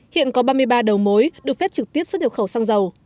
hiện có ba mươi ba đầu mối được phép trực tiếp xuất nhập khẩu xăng dầu